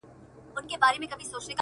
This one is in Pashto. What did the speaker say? • خو نیژدې نه سوای ورتللای څوک له ویري ,